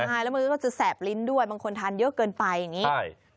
ใช่แล้วมันก็จะแสบลิ้นด้วยบางคนทานเยอะเกินไปอย่างนี้ใช่